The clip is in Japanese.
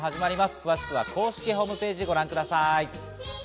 詳しくは公式ホームページをご覧ください。